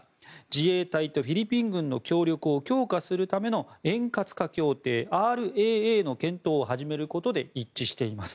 自衛隊とフィリピン軍の協力を強化するための円滑化協定・ＲＡＡの検討を始めることで一致しています。